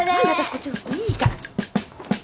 こっちなのいいから！